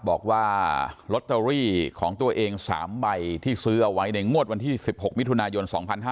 บอกว่าลอตเตอรี่ของตัวเอง๓ใบที่ซื้อเอาไว้ในงวดวันที่๑๖มิถุนายน๒๕๕๙